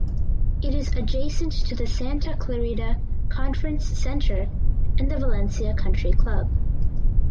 It is adjacent to the Santa Clarita Conference Center and the Valencia Country Club.